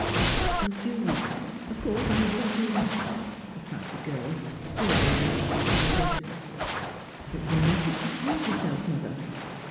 "For a few weeks: of course I will do that," replied the girl, still in an attitude of resistance. "But you mustn't deceive yourself, mother.